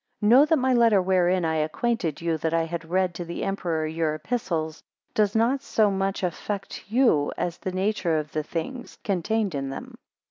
KNOW that my letter, wherein I acquainted you, that I had read to the Emperor your Epistles, does not so much affect you as the nature of the things (contained in them.)